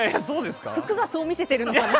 服がそう見せてるのかな。